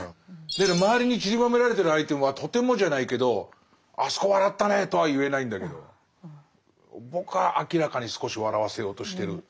周りにちりばめられてるアイテムはとてもじゃないけどあそこ笑ったねとは言えないんだけど僕は明らかに少し笑わせようとしてる。